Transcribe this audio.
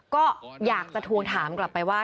ก็อยากจะทวงถามกลับไปว่า